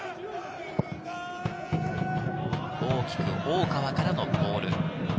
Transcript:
大きく、大川からのボール。